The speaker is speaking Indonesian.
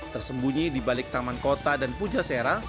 tersembunyi di balik taman kota dan puja sera